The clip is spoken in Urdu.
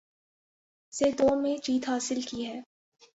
سے دو میں جیت حاصل کی ہے